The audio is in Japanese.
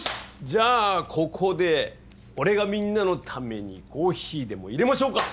じゃあここで俺がみんなのためにコーヒーでもいれましょうか！